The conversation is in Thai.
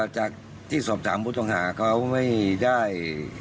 จากที่สอบถามผู้ต้องหาเขาไม่ได้